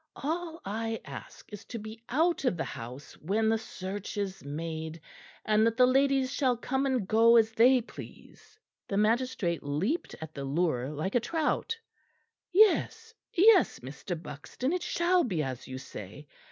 All I ask is to be out of the house when the search is made, and that the ladies shall come and go as they please." The magistrate leapt at the lure like a trout. "Yes, yes, Mr. Buxton, it shall be as you say.